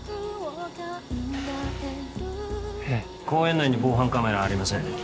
うん公園内に防犯カメラありません